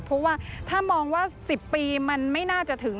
เพราะว่าถ้ามองว่า๑๐ปีมันไม่น่าจะถึง